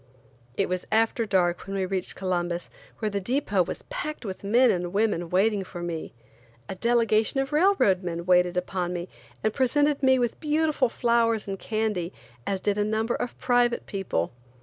It was after dark when we reached Columbus, where the depot was packed with men and women waiting for me. A delegation of railroad men waited upon me and presented me with beautiful flowers and candy, as did a number of private people.